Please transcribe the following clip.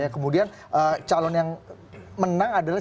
kemudian calon yang menang adalah